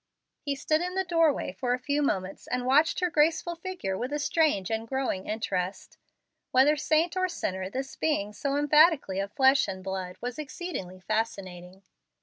He stood in the door way for a few moments and watched her graceful figure with a strange and growing interest Whether saint or sinner, this being so emphatically of flesh and blood was exceedingly fascinating.